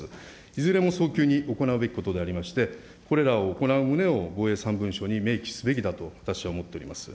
いずれも早急に行うべきことでありまして、これらを行う旨を、防衛三文書に明記すべきだと私は思っております。